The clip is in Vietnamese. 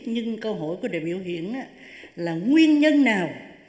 nhưng câu hỏi của đại biểu hiện là nguyên nhân nào